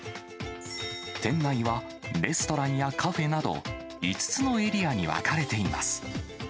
店内はレストランやカフェなど、５つのエリアに分かれています。